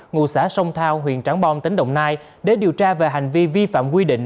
ngụ xã sông thao huyện trảng bom tỉnh đồng nai để điều tra về hành vi vi phạm quy định